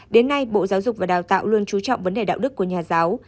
đến nay bộ giáo dục và đào tạo luôn trú trọng vấn đề đạo đức của nhà giáo